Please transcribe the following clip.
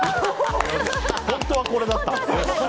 本当はこれだった！